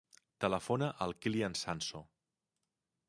Telefona al Kylian Sanso.